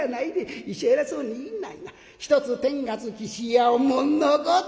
『ひとつてんがつきしやうもんのこと』。